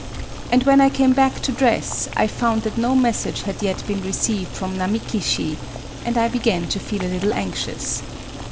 And when I came back to dress, I found that no message had yet been received from Namiki Shi; and I began to feel a little anxious.